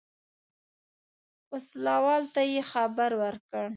اوسلوال ته یې خبر ورکړ.